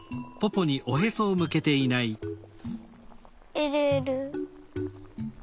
えるえる。